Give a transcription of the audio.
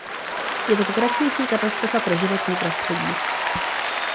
Je to pokračující katastrofa pro životní prostředí.